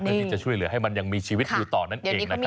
เพื่อช่วยเหลือให้มันยังมีชีวิตอยู่ตรงนั้นเอง